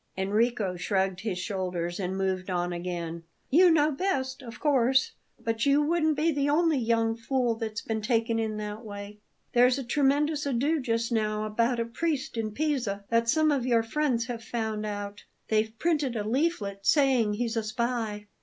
Enrico shrugged his shoulders and moved on again. "You know best, of course; but you wouldn't be the only young fool that's been taken in that way. There's a tremendous ado just now about a priest in Pisa that some of your friends have found out. They've printed a leaflet saying he's a spy."